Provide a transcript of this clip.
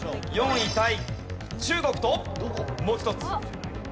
４位タイ中国ともう一つ。